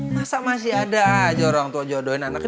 masa masih ada aja orang tua jodohin anaknya